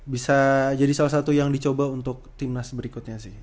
bisa jadi salah satu yang dicoba untuk timnas berikutnya sih